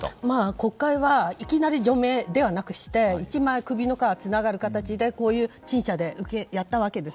国会はいきなり除名ではなくして一枚首の皮がつながる形でこういう陳謝でやったわけです。